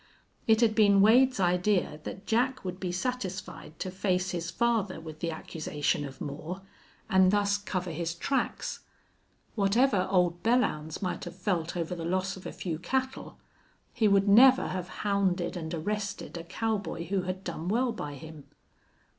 It had been Wade's idea that Jack would be satisfied to face his father with the accusation of Moore, and thus cover his tracks. Whatever Old Belllounds might have felt over the loss of a few cattle, he would never have hounded and arrested a cowboy who had done well by him.